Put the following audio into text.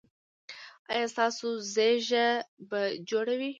ایا ستاسو ږیره به جوړه وي؟